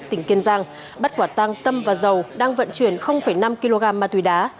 tỉnh kiên giang bắt quả tăng tâm và giàu đang vận chuyển năm kg ma túy đá